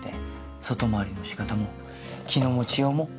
外回りの仕方も気の持ちようも。